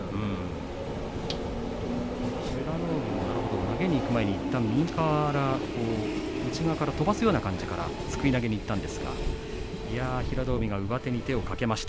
美ノ海も投げにいく前にいったん内側から飛ばすような形ですくい投げにいったんですが平戸海が上手に手をかけました。